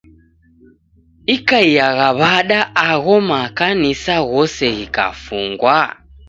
Ikaiagha w'ada agho makanisa ghose ghikafungwa?